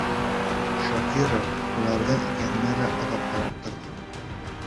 Шакира уларҙың икеһенә лә оҙаҡ ҡарап торҙо.